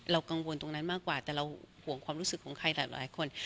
กังวลตรงนั้นมากกว่าแต่เราห่วงความรู้สึกของใครหลายคน